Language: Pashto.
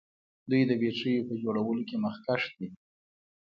دوی د بیټریو په جوړولو کې مخکښ دي.